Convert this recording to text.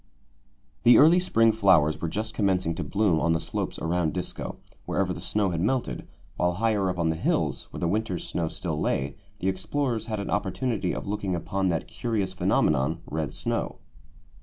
The early spring flowers were just commencing to bloom on the slopes around Disko, wherever the snow had melted, while higher up on the hills, where the winter's snow still lay, the explorers had an opportunity of looking upon that curious phenomenon, red snow.